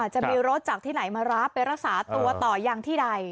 จะมีรถจากที่ไหนมารับไปรักษาตัวต่อยังที่ใด